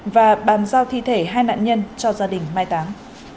và bàn giao thi thể hai nạn nhân cho gia đình mai táng